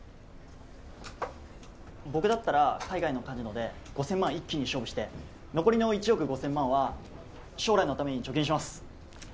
僕だったら海外のカジノで５，０００万一気に勝負して残りの１億５，０００万は将来のために貯金します。